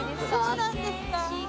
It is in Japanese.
そうなんですか？